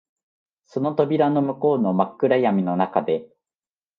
その扉の向こうの真っ暗闇の中で、